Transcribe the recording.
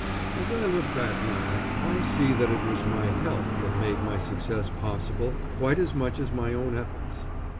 As I look back now, I see that it was my help that made my success possible quite as much as my own efforts.